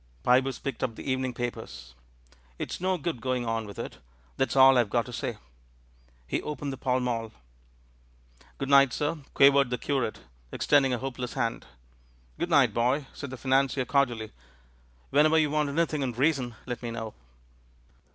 Pybus picked up the evening papers. "It's no good going on with it; that's all I've got to say." He opened the Pall Mall. "Good night, sir," quavered the curate, ex tending a hopeless hand. "Good night, boy," said the financier cordially. "Whenever you want anything in reason let me know."